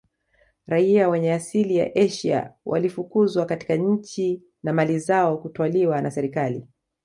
Raia wenye asili ya eshia walifukuzwa katika nchi na mali zao kutwaliwa na serikali